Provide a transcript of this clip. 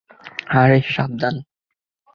আরে, সাবধান!